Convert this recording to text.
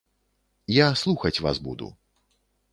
Я слухаць вас буду.